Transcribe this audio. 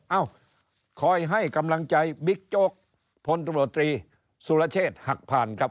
เอ้าคอยให้กำลังใจบิ๊กโจ๊กพลตำรวจตรีสุรเชษฐ์หักผ่านครับ